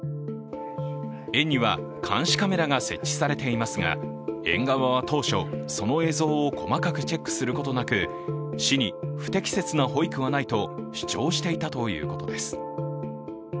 園には監視カメラが設置されていますが園側は当初、その映像を細かくチェックすることなく市に不適切な保育はないと主張していたということです。